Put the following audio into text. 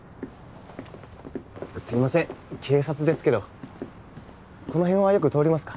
すいません警察ですけどこの辺はよく通りますか？